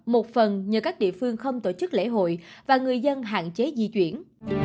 một phần nhờ các địa phương không tổ chức lễ hội và người dân hạn chế di chuyển